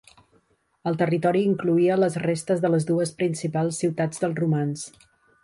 El territori incloïa les restes de les dues principals ciutats dels romans: